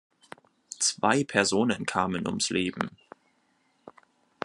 Zwei Personen kamen ums Leben.